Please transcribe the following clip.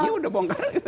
iya udah bongkar